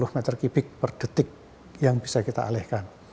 dua puluh meter kubik per detik yang bisa kita alihkan